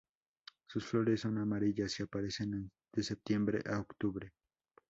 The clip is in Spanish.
Sus flores son amarillas y aparecen de septiembre a octubre.